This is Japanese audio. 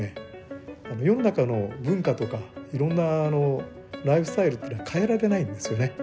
世の中の文化とかいろんなライフスタイルっていうのは変えられないんですよね。